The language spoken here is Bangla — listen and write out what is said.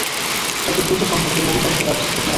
যত দ্রুত সম্ভব এই মমিটার একটা ব্যবস্থা করতে হবে!